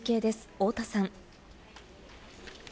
太田さん。